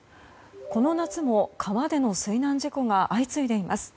この夏も川での水難事故が相次いでいます。